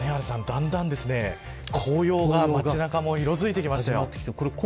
だんだん紅葉が街中でも色づいてきました。